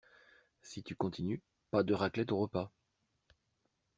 Si tu continues, pas de raclette au repas.